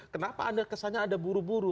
kenapa anda kesannya ada buru buru